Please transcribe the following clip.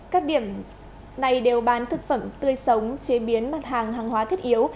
các điểm này đều bán thực phẩm tươi sống chế biến mặt hàng hàng hóa thiết yếu